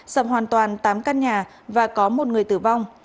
sập hoàn toàn tám căn nhà và có một người tử vong